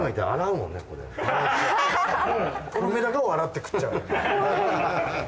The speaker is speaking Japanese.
このメダカを洗って食っちゃう。